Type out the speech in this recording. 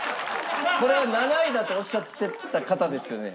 これは７位だとおっしゃってた方ですよね？